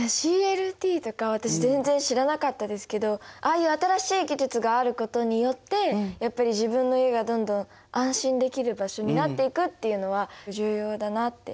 ＣＬＴとか私全然知らなかったですけどああいう新しい技術があることによってやっぱり自分の家がどんどん安心できる場所になっていくっていうのは重要だなって。